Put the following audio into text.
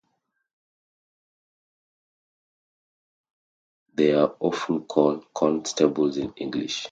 They are often called 'constables' in English.